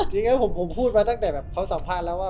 จริงผมพูดมาตั้งแต่เพราะสัมภาษณ์แล้วว่า